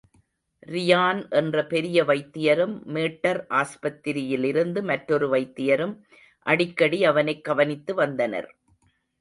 Ryan என்ற பெரிய வைத்தியரும், மேட்டர் ஆஸ்பத்திரியிலிருந்து மற்றொரு வைத்தியரும் அடிக்கடி அவனைக் கவனித்து வந்தனர்.